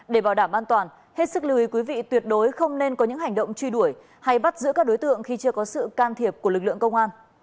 để bảo đảm an toàn hết sức lưu ý quý vị tuyệt đối không nên có những hành động truy đuổi hay bắt giữ các đối tượng khi chưa có sự can thiệp của lực lượng công an